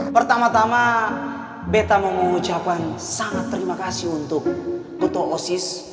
pertama tama beta mau mengucapkan sangat terima kasih untuk koto oasis